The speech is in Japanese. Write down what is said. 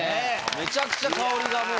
めちゃくちゃ香りがもう。